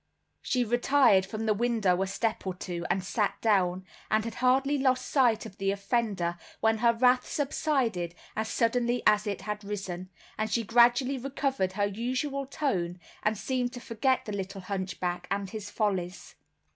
She retired from the window a step or two, and sat down, and had hardly lost sight of the offender, when her wrath subsided as suddenly as it had risen, and she gradually recovered her usual tone, and seemed to forget the little hunchback and his follies.